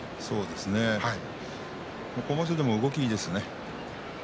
でも今場所、動きがいいですね。